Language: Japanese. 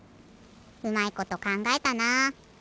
うまいことかんがえたな。